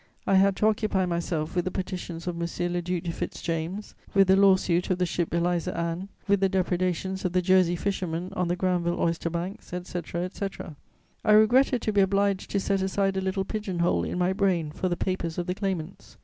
I had to occupy myself with the petitions of M. le Duc de Fitz James, with the lawsuit of the ship Eliza Ann, with the depredations of the Jersey fishermen on the Granville oyster banks, etc., etc. I regretted to be obliged to set aside a little pigeon hole in my brain for the papers of the claimants.